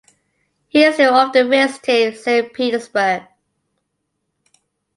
He still often visited Saint Petersburg.